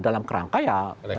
dalam kerangka ya